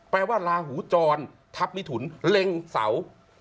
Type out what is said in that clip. แปลว่าลาหูจรทัพมิถุนเล็งเสา